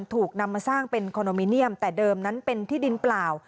ถูกนำมาสร้างเป็นคอนโดมิเนียมแต่เดิมนั้นเป็นที่ดินเปล่า